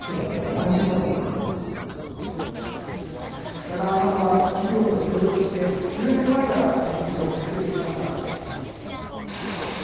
北川さんは企業と協力して、９年前から研究を続けてきました。